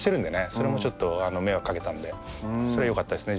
それもちょっと迷惑掛けたんでそれよかったですね